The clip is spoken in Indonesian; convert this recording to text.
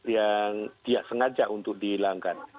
yang tidak sengaja untuk dihilangkan